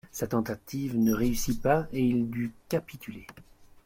Sa tentative ne réussit pas et il dut capituler.